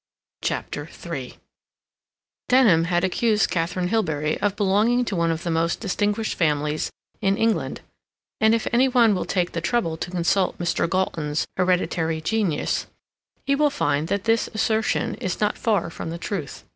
CHAPTER III Denham had accused Katharine Hilbery of belonging to one of the most distinguished families in England, and if any one will take the trouble to consult Mr. Galton's "Hereditary Genius," he will find that this assertion is not far from the truth.